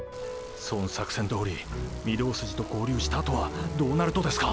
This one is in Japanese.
そん作戦どおり御堂筋と合流したあとはどうなるとですか？